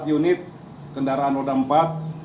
empat unit kendaraan roda empat